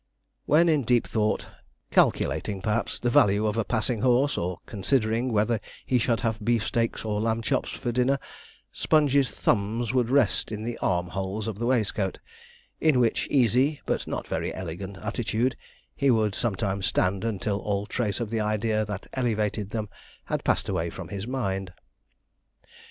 When in deep thought, calculating, perhaps, the value of a passing horse, or considering whether he should have beefsteaks or lamb chops for dinner, Sponge's thumbs would rest in the arm holes of his waistcoat; in which easy, but not very elegant, attitude he would sometimes stand until all trace of the idea that elevated them had passed away from his mind.